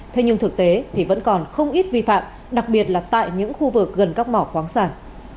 thế nhưng thực tế thì vẫn còn không ít vi phạm đặc biệt là tại những khu vực gần các mỏ khoáng sản